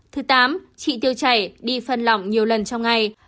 thứ tám trị tiêu chảy đi phân lỏng nhiều lần trong ngày